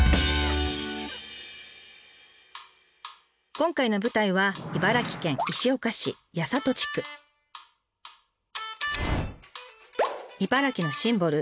今回の舞台は茨城のシンボル